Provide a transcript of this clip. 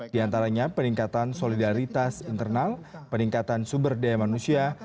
di antaranya peningkatan solidaritas internal peningkatan sumber daya manusia